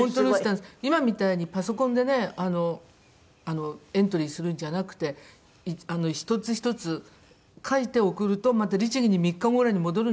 今みたいにパソコンでねエントリーするんじゃなくて１つ１つ書いて送るとまた律義に３日後ぐらいに戻るんですよ。